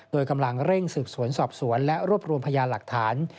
โดยกำลังเร่งสืบสวนสอบสวนและรวบรวมพยานหลักฐาน